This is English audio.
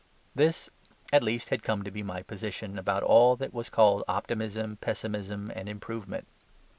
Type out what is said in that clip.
This at least had come to be my position about all that was called optimism, pessimism, and improvement.